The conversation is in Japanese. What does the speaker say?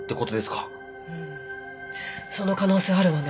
うんその可能性はあるわね。